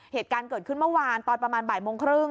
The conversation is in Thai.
เหตุการณ์เกิดขึ้นเมื่อวานตอนประมาณบ่ายโมงครึ่ง